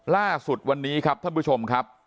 ล่าสุดวันนี้ครับท่านผู้ชมครับ